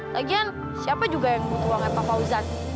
lagian siapa juga yang butuh uangnya papa yos